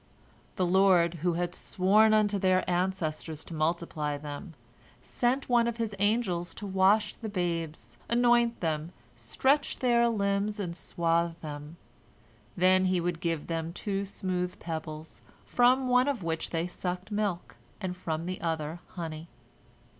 The Lord, who had sworn unto their ancestors to multiply them, sent one of His angels to wash the babes, anoint them, stretch their limbs, and swathe them. Then he would give them two smooth pebbles, from one of which they sucked milk, and from the other honey.